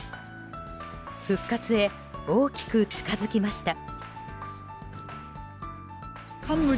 復活へ大きく近づきました。